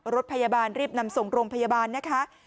รถพยาบาลรีบนำส่งโรงพยาบาลนะคะ